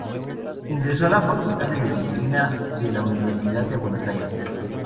Ingresó a la Facultad de Medicina de la Universidad de Buenos Aires.